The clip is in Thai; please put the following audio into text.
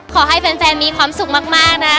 ขอให้แฟนมีความสุขมากนะ